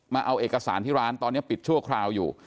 มาเอาเอกสารที่ร้านตอนนี้ปิดชั่วคราวอยู่